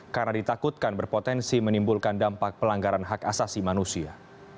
karena ditakutkan berpotensi menimbulkan dampak pelanggaran hak asasi manusia